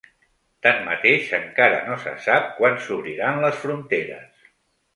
Tanmateix, encara no se sap quan s’obriran les fronteres.